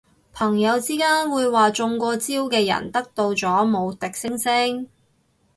朋友之間會話中過招嘅人得到咗無敵星星